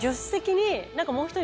もう１人。